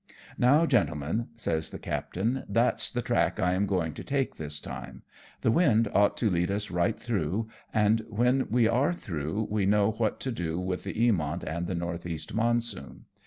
" Now, gentlemen," says the captain, " that's the track I am going to take this time ; the wind ought to lead us right through, and when we are through, we know what to do with the Eamont and the north east monsoon.